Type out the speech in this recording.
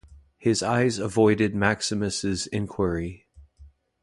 His eyes avoided Maximus’s enquiry.